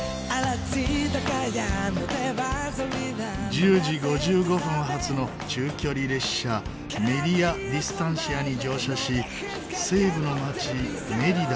１０時５５分発の中距離列車メディア・ディスタンシアに乗車し西部の街メリダへ。